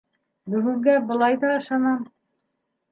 Бөгөнгә былай ҙа ышанам.